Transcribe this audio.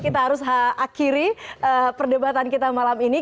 kita harus akhiri perdebatan kita malam ini